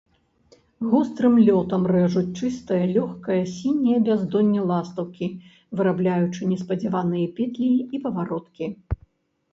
Гострым лётам рэжуць чыстае, лёгкае, сіняе бяздонне ластаўкі, вырабляючы неспадзяваныя петлі і павароткі.